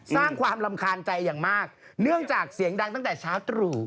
สร้างความรำคาญใจอย่างมากเนื่องจากเสียงดังตั้งแต่เช้าตรู่